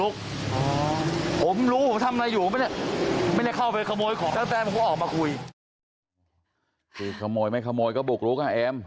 คือขโมยไม่ขโมยก็บุกลุกน่ะเอม